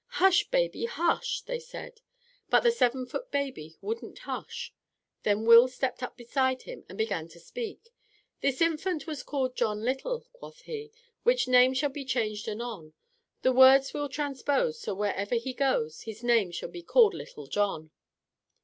"Hush, baby, hush," they said. But the seven foot baby wouldn't hush. Then Will stepped up beside him and began to speak. "This infant was called John Little, quoth he, Which name shall be changed anon, The words we'll transpose, so wherever he goes, His name shall be called Little John."